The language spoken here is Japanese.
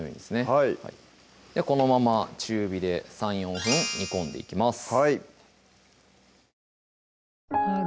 はいこのまま中火で３４分煮込んでいきます